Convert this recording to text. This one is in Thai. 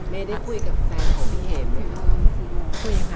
เมย์ได้คุยกับแฟนของพี่เหมย์ไหมคะ